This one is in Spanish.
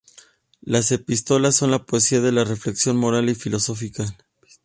Las "Epístolas" son la poesía de la reflexión moral y filosófica.